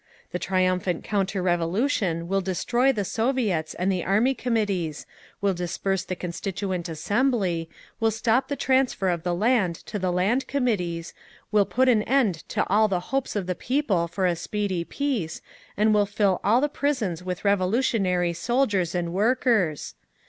The triumphant counter revolution will destroy the Soviets and the Army Committees, will disperse the Constituent Assembly, will stop the transfer of the land to the Land Committees, will put an end to all the hopes of the people for a speedy peace, and will fill all the prisons with revolutionary soldiers and workers.